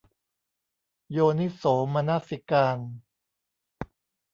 โยนิโสมนสิการ